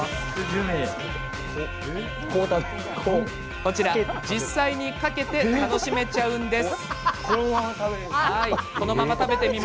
こちらは、実際にかけて楽しめちゃうんです。